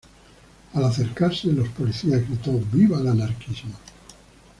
Al acercarse los policías, gritó ""¡¡Viva el anarquismo!!